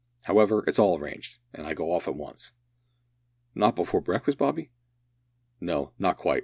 However, it's all arranged, and I go off at once." "Not before breakfast, Bobby?" "No, not quite.